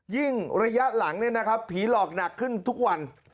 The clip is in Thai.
ยิ่งระยะหลังเนี่ยนะครับผีหลอกหนักขึ้นทุกวัน